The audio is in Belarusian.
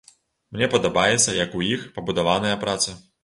Мне падабаецца, як у іх пабудаваная праца.